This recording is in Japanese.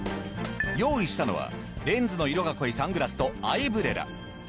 用意したのはレンズの色が濃いサングラスとアイブレラ。